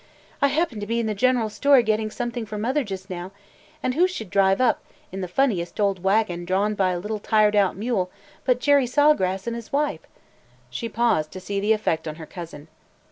I happened to be in the general store getting something for mother just now, and who should drive up, in the funniest old wagon drawn by a little, tired out mule, but Jerry Saw Grass and his wife!" She paused to see the effect on her cousin.